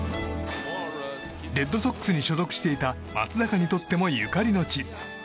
レッドソックスに所属していた松坂にとってもゆかりの地。